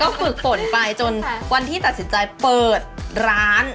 ก็ฝึกฝนไปจนวันที่ตัดสินใจเปิดร้าน